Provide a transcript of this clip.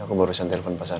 aku baru saja telpon pesanmu